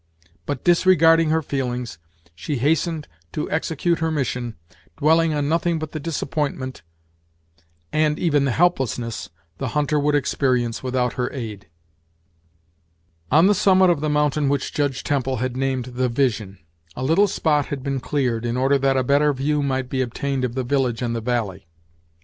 But, disregarding her feelings, she hastened to execute her mission, dwelling on nothing but the disappointment, and even the helplessness, the hunter would experience without her aid. On the summit of the mountain which Judge Temple had named the "Vision," a little spot had been cleared, in order that a better view might be obtained of the village and the valley.